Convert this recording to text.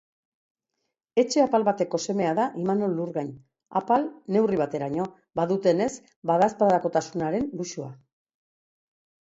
Etxe apal bateko semea da Imanol Lurgain. Apal, neurri bateraino, badutenez badaezpadakotasunaren luxua.